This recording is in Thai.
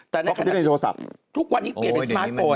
แต่ในขณะทุกวันนี้เปลี่ยนเป็นสมาร์ทโฟน